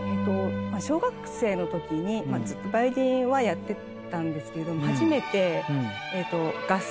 小学生の時にずっとバイオリンはやってたんですけど初めて合奏。